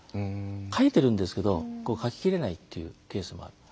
書いてるんですけど書ききれないっていうケースもある。